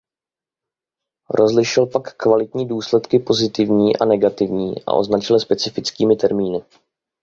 Rozlišil pak kvalitativní důsledky pozitivní a negativní a označil je specifickými termíny.